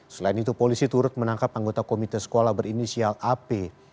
selain itu polisi turut menangkap anggota komite sekolah berinisial ap